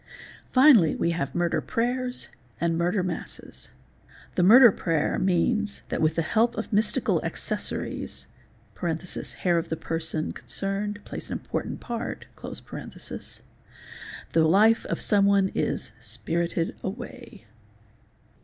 Finally we have murder prayers and murder masses. The murder 4 prayer means that with the help of mystical accessories (hair of the person |' concerned plays an important part) the life of someone is " spirited away "'.